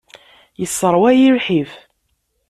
Yesseṛwa-iyi lḥif.